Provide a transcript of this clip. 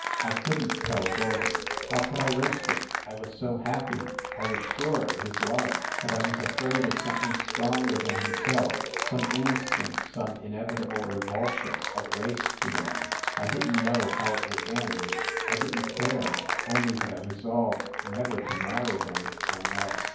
I couldn t tell Gordon ; how could I risk it ? I was so happy ! I was sure of his love, but I was afraid of something stronger than himself, some instinct, some inevitable revul sion of race feeling. ... I didn t know how it would end I didn t care, only that I resolved never to marry him unless